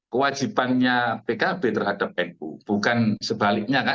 kewajibannya pkb terhadap nu bukan sebaliknya kan